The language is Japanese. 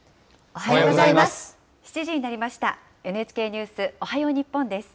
おはようございます。